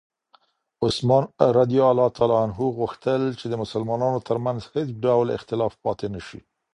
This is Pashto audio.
عثمان رض غوښتل چې د مسلمانانو ترمنځ هېڅ ډول اختلاف پاتې نه شي.